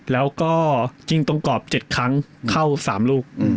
แล้วก็ยิงตรงกรอบ๗ครั้งเข้า๓ลูก